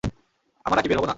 আমারা কি বের হবো না?